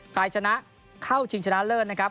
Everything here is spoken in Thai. ใครชนะเข้าชิงชนะเลิศนะครับ